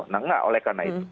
nah enggak oleh karena itu